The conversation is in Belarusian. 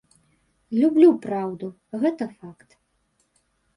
Люблю праўду, гэта факт.